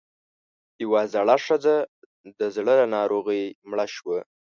يوه زړه ښځۀ د زړۀ له ناروغۍ مړه شوه